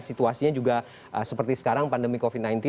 situasinya juga seperti sekarang pandemi covid sembilan belas